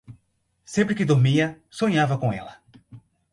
Sempre que dormia, sonhava com ela